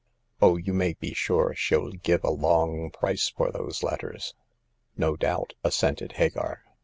Oh, you may be sure she'll give a long price for those letters." ''No doubt," assented Hagar.